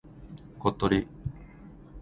ことり